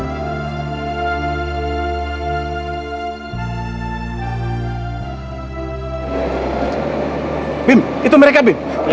jangan sampai itu hidup dengan memaduk equivalent gila di dalam tubuhanya sendiri